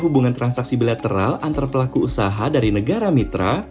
hubungan transaksi bilateral antar pelaku usaha dari negara mitra